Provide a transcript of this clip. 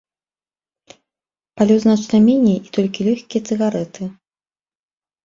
Палю значна меней і толькі лёгкія цыгарэты.